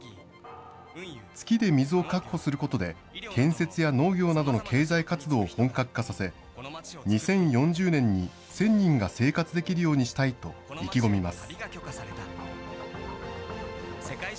月で水を確保することで、建設や農業などの経済活動を本格化させ、２０４０年に１０００人が生活できるようにしたいと意気込みます。